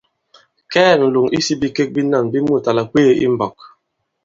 Kɛɛ ǹlòŋ isī bikek binân bi mût à làkweē i m̀mbɔk.